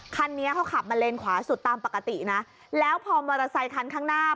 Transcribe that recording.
คันนี้เขาขับมาเลนขวาสุดตามปกตินะแล้วพอมอเตอร์ไซคันข้างหน้า